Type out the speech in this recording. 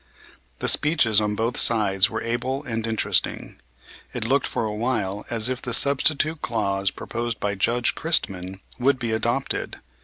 The speeches on both sides were able and interesting. It looked for a while as if the substitute clause proposed by Judge Christman would be adopted.